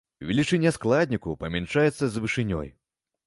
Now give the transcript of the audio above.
Велічыня складніку памяншаецца з вышынёй.